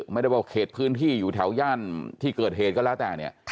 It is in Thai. ไม่ได้ว่าเขตพื้นที่อยู่แถวย่านที่เกิดเหตุก็แล้วแต่เนี่ย